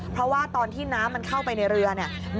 เพราะว่าตอนที่น้ำมันเข้าไปในเรือเนี่ย